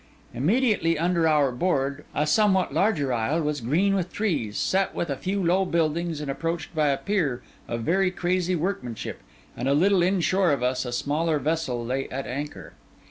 Immediately under our board, a somewhat larger isle was green with trees, set with a few low buildings and approached by a pier of very crazy workmanship; and a little inshore of us, a smaller vessel lay at anchor.